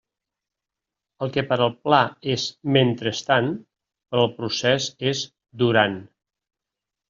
El que per al pla és «mentrestant», per al procés és «durant».